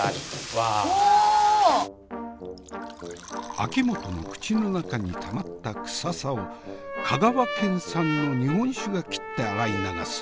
秋元の口の中にたまったクサさを香川県産の日本酒が切って洗い流す。